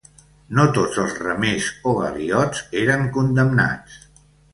No tots els remers o galiots eren condemnats.